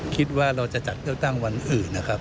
คิดว่าเราจะจัดเลือกตั้งวันอื่นนะครับ